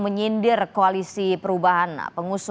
mengatakan bahwa partai demokrat akan hancur lebur